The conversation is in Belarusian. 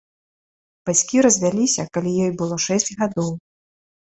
Бацькі развяліся, калі ёй было шэсць гадоў.